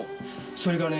それがね